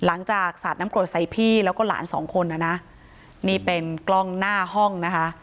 หลังจากสัตว์น้ำโกรธใส่พี่แล้วก็หลานสองคนอ่ะน่ะนี่เป็นกล้องหน้าห้องนะคะ